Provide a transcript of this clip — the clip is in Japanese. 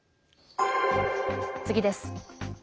次です。